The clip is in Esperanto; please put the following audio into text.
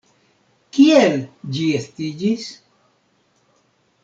Kiel ĝi estiĝis?